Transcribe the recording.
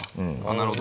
なるほど。